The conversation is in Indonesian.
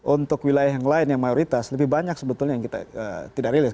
untuk wilayah yang lain yang mayoritas lebih banyak sebetulnya yang kita tidak rilis